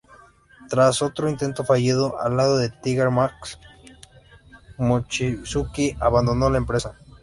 Tras otro intento fallido al lado de Tiger Mask, Mochizuki abandonó la empresa.